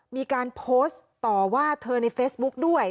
มีการโพสต์ต่อว่าเธอในเฟซบุ๊กด้วย